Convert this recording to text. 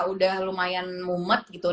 udah lumayan mumet gitu